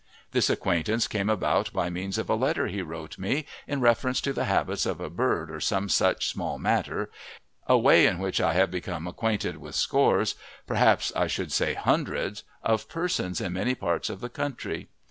This acquaintance came about by means of a letter he wrote me in reference to the habits of a bird or some such small matter, a way in which I have become acquainted with scores perhaps I should say hundreds of persons in many parts of the country.